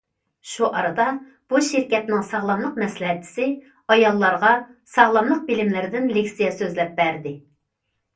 شۇ ئارىدا بۇ شىركەتنىڭ ساغلاملىق مەسلىھەتچىسى ئاياللارغا ساغلاملىق بىلىملىرىدىن لېكسىيە سۆزلەپ بەردى.